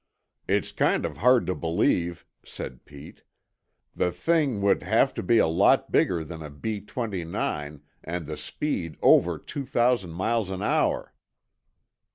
"It's kind of hard to believe," said Pete. "The thing would have to be a lot bigger than a B twenty nine, and the speed over two thousand miles an hour."